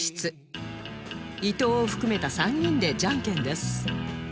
伊藤を含めた３人でジャンケンです